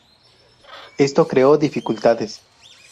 Esto creó dificultades.